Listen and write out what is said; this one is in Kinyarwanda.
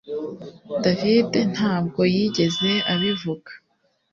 David ntabwo yigeze abivuga